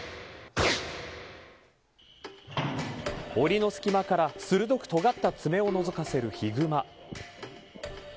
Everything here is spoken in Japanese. おりの隙間から、鋭くとがった爪をのぞかせるヒグマ。